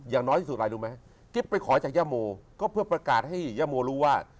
อย่างน้อยที่สุดอะไรรู้ไหมกิ๊บไปขอจากย่าโมก็เพื่อประกาศให้ย่าโมรู้ว่า